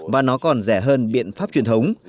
và nó còn rẻ hơn biện pháp truyền thống